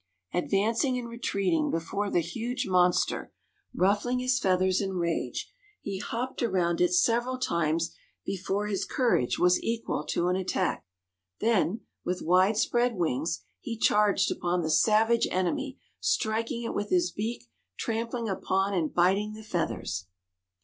Advancing and retreating before the huge monster, ruffling his feathers in rage, he hopped around it several times before his courage was equal to an attack. Then, with wide spread wings he charged upon the savage enemy, striking it with his beak, trampling upon and biting the feathers.